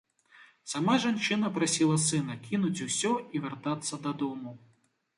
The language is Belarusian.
Сама жанчына прасіла сына кінуць усё і вяртацца дадому.